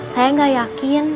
saya gak yakin